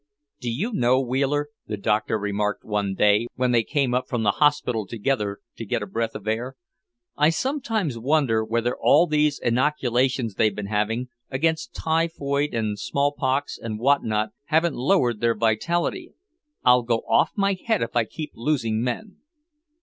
"Do you know, Wheeler," the doctor remarked one day when they came up from the hospital together to get a breath of air, "I sometimes wonder whether all these inoculations they've been having, against typhoid and smallpox and whatnot, haven't lowered their vitality. I'll go off my head if I keep losing men!